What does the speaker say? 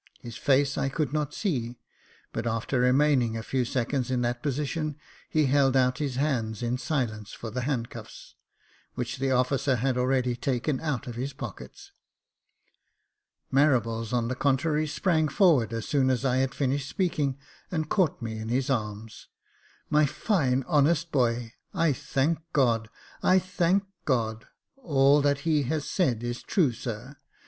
His face I could not see , but after remaining a few seconds in that position, he held out his hands in silence for the handcuffs, which the officer had already taken out of his pocket. Marables, on the contrary, sprang forward as soon as I had finished speaking, and caught me in his arms. " My fine, honest boy ! I thank God — I thank God ! All that he has said is true, sir.